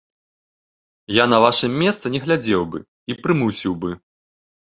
Я на вашым месцы не глядзеў бы і прымусіў бы!